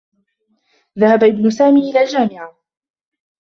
ذهب إبن سامي إلى الجامعة.